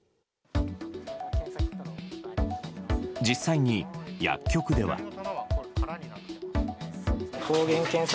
実際に薬局では。